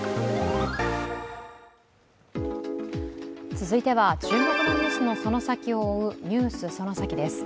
続いては注目のニュースのそのサキを追う「ＮＥＷＳそのサキ！」です。